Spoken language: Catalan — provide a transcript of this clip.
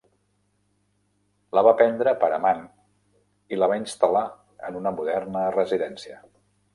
La va prendre per amant i la va instal·lar en una moderna residència.